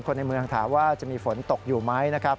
คนในเมืองถามว่าจะมีฝนตกอยู่ไหมนะครับ